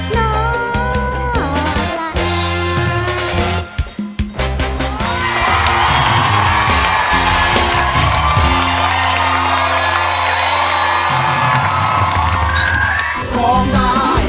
แล้วก็ตีเขาเลยก่อนข้าง